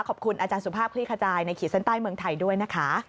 ขอบคุณอาจารย์สุภาพคลี่ขจายในขีดเส้นใต้เมืองไทยด้วยนะคะ